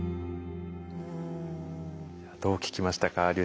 どう聞きましたか？